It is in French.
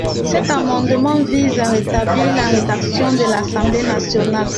Cet amendement vise à rétablir la rédaction de l’Assemblée nationale.